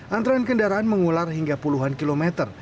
antrean kendaraan mengular hingga puluhan kilometer